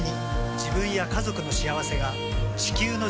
自分や家族の幸せが地球の幸せにつながっている。